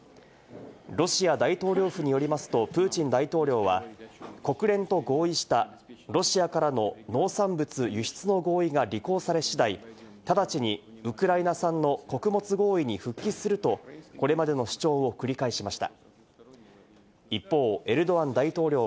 ロシア大統領府によりますと、プーチン大統領は国連と合意したロシアからの農産物輸出の合意が履行され次第、直ちにウクライナ産の穀物合意に復帰すると、これまでの主張を繰り返しました。